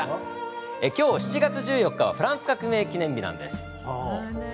きょう７月１４日はフランスの革命記念日です。